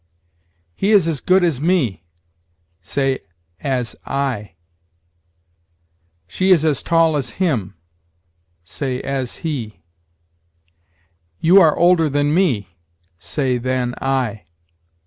"He is as good as me": say, as I. "She is as tall as him": say, as he. "You are older than me": say, than I.